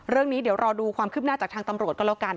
เรื่องนี้เดี๋ยวรอดูความคืบหน้าจากทางตำรวจก็แล้วกัน